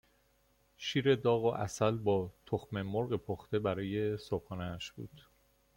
شیر داغ و عسل با تخم مرغ پخته برای صبحانهاش بود